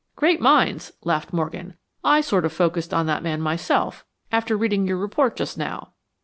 "'Great minds'," laughed Morgan. "I sort of focused on that man myself after reading your report just now."